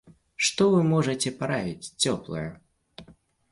Што вы можаце параіць цёплае?